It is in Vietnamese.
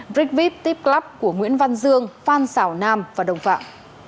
brickvip tipclub của nguyễn văn dương phan xảo nam và đồng phạm